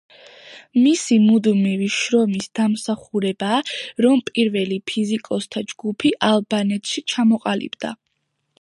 მისი მუდმივი შრომის დამსახურებაა, რომ პირველი ფიზიკოსთა ჯგუფი ალბანეთში ჩამოყალიბდა.